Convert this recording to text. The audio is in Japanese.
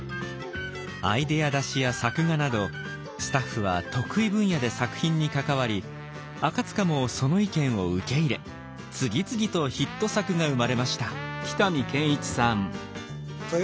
アイデア出しや作画などスタッフは得意分野で作品に関わり赤もその意見を受け入れ次々とヒット作が生まれました。